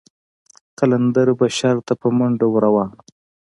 قلندر به شر ته په منډه ور روان و.